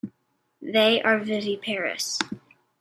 They are viviparous.